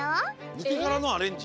ぬけがらのアレンジ？